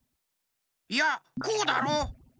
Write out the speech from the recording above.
いやこうだろ。